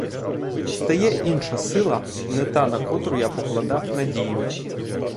Встає інша сила, не та, на котру я покладав надію.